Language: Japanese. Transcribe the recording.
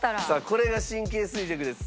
これが神経衰弱です。